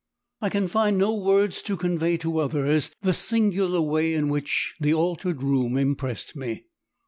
I can find no words to convey to others the singular way in which the altered room impressed me.